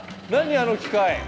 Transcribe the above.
あの機械。